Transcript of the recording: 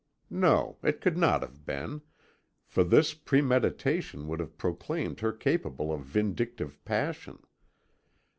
No, it could not have been, for this premeditation would have proclaimed her capable of vindictive passion.